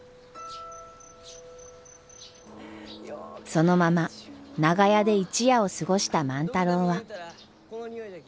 そのまま長屋で一夜を過ごした万太郎は。